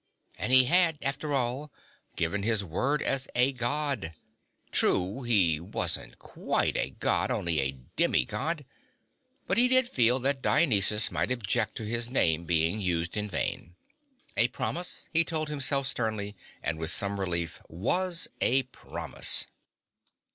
And he had, after all, given his word as a God. True, he wasn't quite a God, only a demi Deity. But he did feel that Dionysus might object to his name being used in vain. A promise, he told himself sternly and with some relief, was a promise.